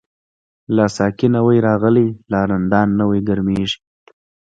لاسا قی نوی راغلی، لا رندان نوی ګرمیږی